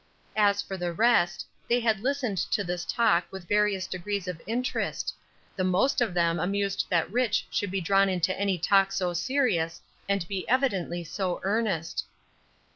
As for the rest, they had listened to this talk with various degrees of interest; the most of them amused that Rich. should be drawn into any talk so serious, and be evidently so earnest.